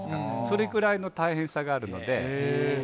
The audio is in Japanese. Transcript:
それくらいの大変さがあるのでへえ